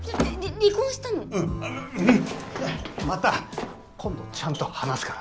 また今度ちゃんと話すから。